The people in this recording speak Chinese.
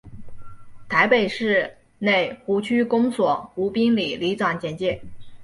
台北市内湖区公所湖滨里里长简介